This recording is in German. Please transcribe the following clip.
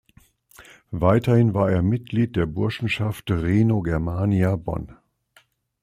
Weiterhin war er Mitglied der Burschenschaft Rheno-Germania Bonn.